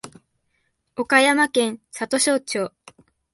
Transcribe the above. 岡山県里庄町